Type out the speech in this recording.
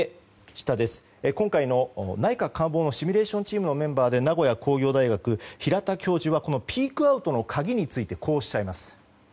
今回の内閣官房のシミュレーションチームのメンバーで名古屋工業大学平田教授はピークアウトの鍵についてこうおっしゃいます。